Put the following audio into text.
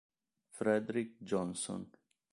Fredric Jonson